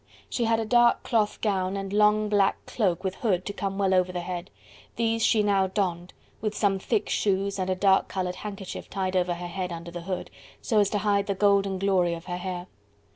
She had a dark cloth gown, and long black cloak with hood to come well over the head. These she now donned, with some thick shoes, and a dark coloured handkerchief tied over her head under the hood, so as to hide the golden glory of her hair.